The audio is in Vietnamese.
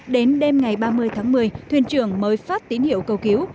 đến đêm ngày ba mươi tháng một mươi thuyền trưởng mới phát tín hiệu cầu cứu